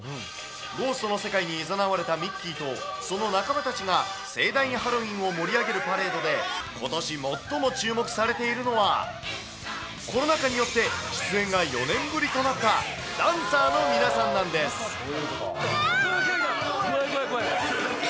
ゴーストの世界にいざなわれたミッキーとその仲間たちが盛大にハロウィーンを盛り上げるパレードで、ことし最も注目されているのは、コロナ禍によって出演が４年ぶりとなったダンサーの皆さんなんで怖い、怖い。